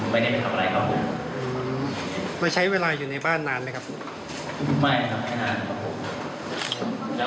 ประตูเข้าไปจริงเพื่อจะไปหาว่าแปกหนึ่งล่ะ